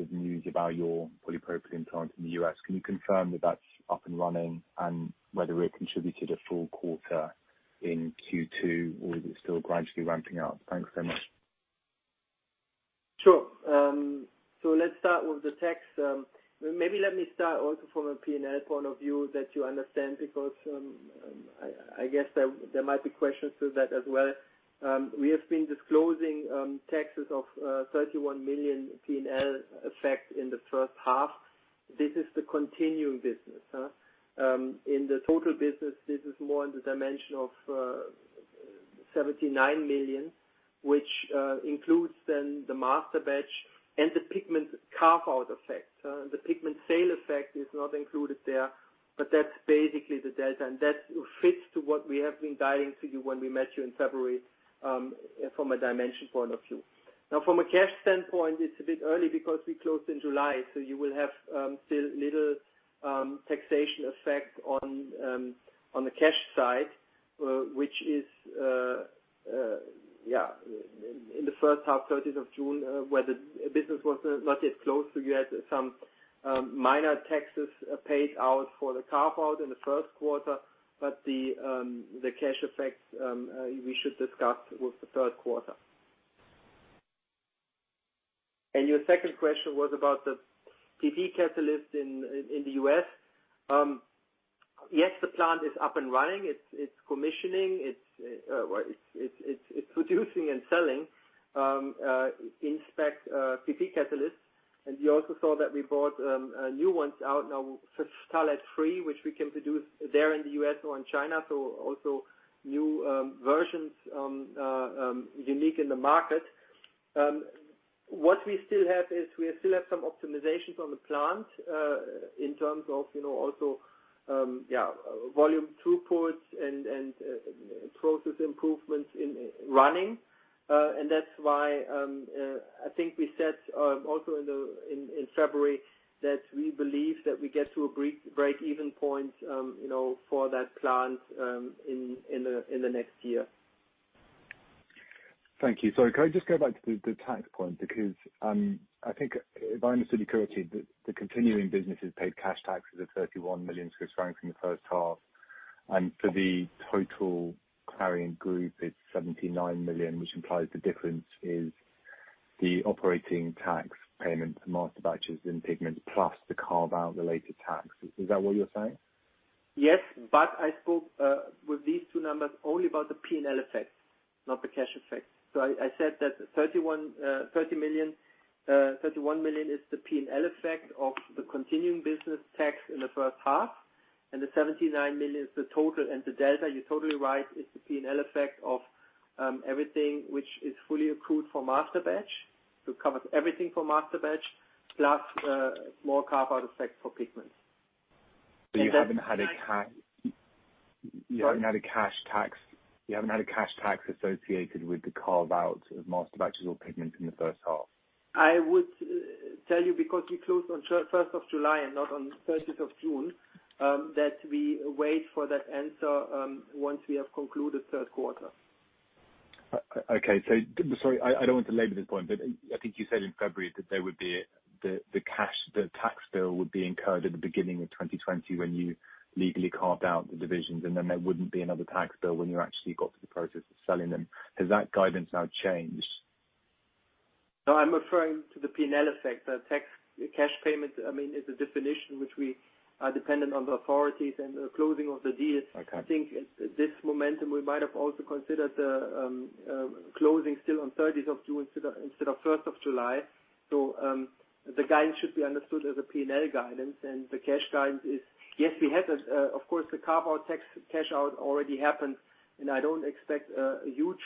S11: of news about your polypropylene plant in the U.S. Can you confirm that that's up and running and whether it contributed a full quarter in Q2, or is it still gradually ramping up? Thanks so much.
S3: Sure. Let's start with the tax. Maybe let me start also from a P&L point of view that you understand, because I guess there might be questions to that as well. We have been disclosing taxes of 31 million P&L effect in the first half. This is the continuing business. In the total business, this is more in the dimension of 79 million, which includes then the Masterbatch and the Pigment carve-out effect. The Pigment sale effect is not included there, but that's basically the delta, and that fits to what we have been guiding to you when we met you in February, from a dimension point of view. From a cash standpoint, it's a bit early because we closed in July, you will have still little taxation effect on the cash side. Which is in the first half, 30th of June, where the business was not yet closed. You had some minor taxes paid out for the carve-out in the first quarter, but the cash effect we should discuss with the third quarter. Your second question was about the PP catalyst in the U.S. The plant is up and running. It's commissioning. It's producing and selling in-spec PP catalysts. You also saw that we brought new ones out now, phthalate-free, which we can produce there in the U.S. or in China. Also new versions unique in the market. What we still have is we still have some optimizations on the plant, in terms of also volume throughputs and process improvements in running. That's why, I think we said also in February that we believe that we get to a breakeven point for that plant in the next year.
S11: Thank you. Sorry, can I just go back to the tax point? Because I think if I understood you correctly, the continuing businesses paid cash taxes of 31 million Swiss francs in the first half. For the total Clariant group it's 79 million, which implies the difference is the operating tax payment for Masterbatch and Pigments, plus the carve-out related tax. Is that what you're saying?
S3: Yes. I spoke with these two numbers only about the P&L effects, not the cash effects. I said that 31 million is the P&L effect of the continuing business tax in the first half, and the 79 million is the total. The delta, you're totally right, is the P&L effect of everything which is fully accrued for Masterbatch. It covers everything for Masterbatch, plus more carve-out effect for Pigments.
S11: You haven't had a cash tax associated with the carve-out of Masterbatches or Pigments in the first half?
S3: I would tell you because we closed on 1st of July and not on 30th of June, that we wait for that answer once we have concluded third quarter.
S11: Okay. Sorry, I don't want to labor this point, but I think you said in February that the tax bill would be incurred at the beginning of 2020 when you legally carved out the divisions, and then there wouldn't be another tax bill when you actually got to the process of selling them. Has that guidance now changed?
S3: No, I'm referring to the P&L effect. The cash payment is a definition which we are dependent on the authorities and the closing of the deals.
S11: Okay.
S3: I think at this momentum we might have also considered the closing still on 30th of June instead of 1st of July. The guidance should be understood as a P&L guidance and the cash guidance is, yes, we had, of course, the carve-out cash out already happened, and I don't expect a huge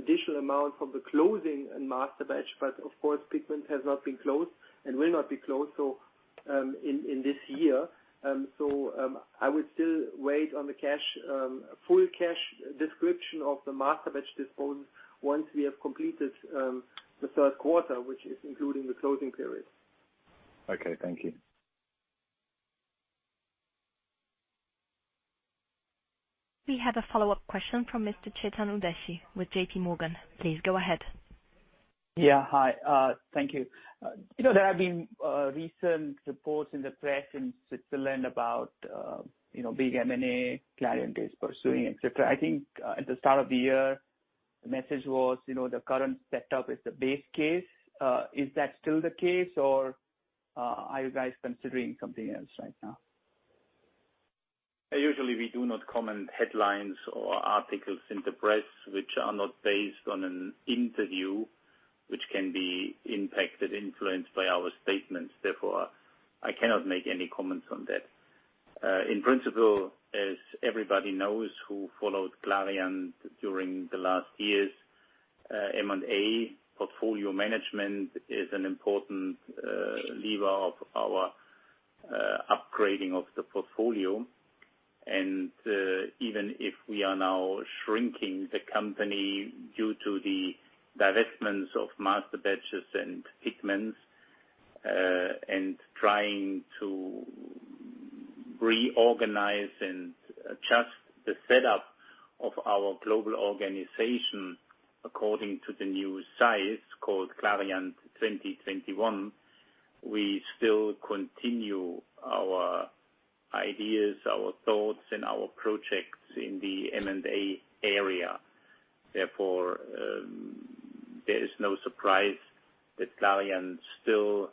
S3: additional amount from the closing in Masterbatch. Of course, Pigments has not been closed, and will not be closed in this year. I would still wait on the full cash description of the Masterbatch dispose once we have completed the third quarter, which is including the closing period.
S11: Okay. Thank you.
S1: We have a follow-up question from Mr. Chetan Udeshi with JPMorgan. Please go ahead.
S10: Yeah. Hi. Thank you. There have been recent reports in the press in Switzerland about big M&A Clariant is pursuing, et cetera. I think at the start of the year, the message was the current setup is the base case. Is that still the case, or are you guys considering something else right now?
S4: Usually we do not comment headlines or articles in the press which are not based on an interview, which can be impacted, influenced by our statements. Therefore, I cannot make any comments on that. In principle, as everybody knows who followed Clariant during the last years, M&A portfolio management is an important lever of our upgrading of the portfolio. even if we are now shrinking the company due to the divestments of Masterbatches and Pigments, and trying to reorganize and adjust the setup of our global organization according to the new size called Clariant 2021, we still continue our ideas, our thoughts and our projects in the M&A area. Therefore, there is no surprise that Clariant still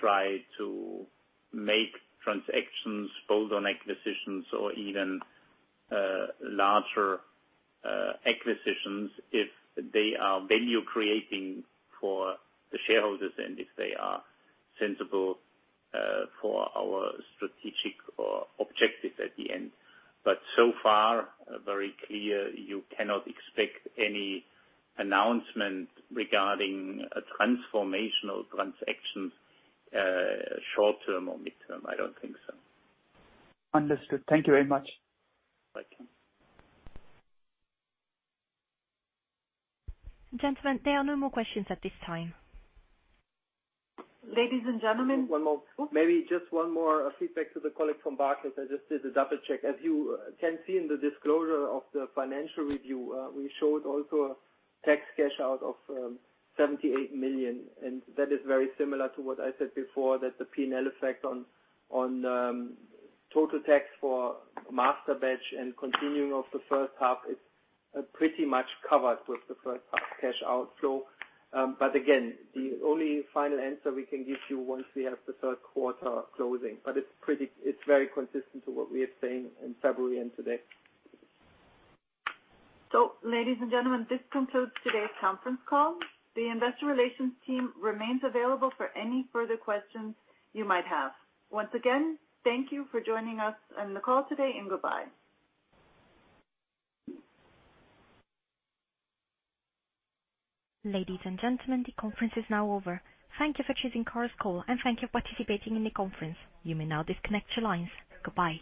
S4: try to make transactions both on acquisitions or even larger acquisitions if they are value creating for the shareholders and if they are sensible for our strategic objectives at the end. So far, very clear you cannot expect any announcement regarding a transformational transaction short term or midterm. I don't think so.
S10: Understood. Thank you very much.
S4: Thank you.
S1: Gentlemen, there are no more questions at this time.
S2: Ladies and gentlemen-
S3: One more.
S2: Oops.
S3: Maybe just one more feedback to the colleague from Barclays. I just did a double check. As you can see in the disclosure of the financial review, we showed also a tax cash out of 78 million. That is very similar to what I said before, that the P&L effect on total tax for Masterbatch and continuing of the first half is pretty much covered with the first half cash outflow. Again, the only final answer we can give you once we have the third quarter closing. It's very consistent to what we are saying in February and today.
S2: Ladies and gentlemen, this concludes today's conference call. The investor relations team remains available for any further questions you might have. Once again, thank you for joining us on the call today, and goodbye.
S1: Ladies and gentlemen, the conference is now over. Thank you for choosing Chorus Call, and thank you for participating in the conference. You may now disconnect your lines. Goodbye.